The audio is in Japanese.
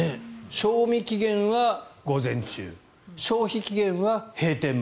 賞味期限は午前中消費期限は閉店前。